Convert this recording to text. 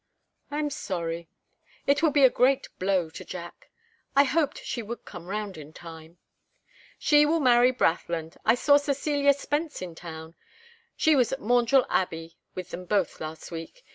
"I am sorry. It will be a great blow to Jack. I hoped she would come round in time." "She will marry Brathland. I saw Cecilia Spence in town. She was at Maundrell Abbey with them both last week.